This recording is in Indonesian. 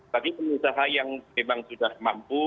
tadi pengusaha yang memang sudah mampu